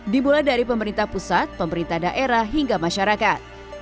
dimulai dari pemerintah pusat pemerintah daerah hingga masyarakat